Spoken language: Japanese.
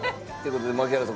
槙原さん